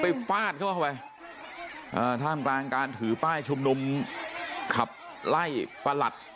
ฟาดเข้าไปอ่าท่ามกลางการถือป้ายชุมนุมขับไล่ประหลัด